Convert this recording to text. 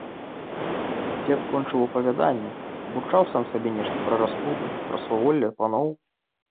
Дзед кончыў апавяданне, бурчаў сам сабе нешта пра распусту, пра сваволле паноў.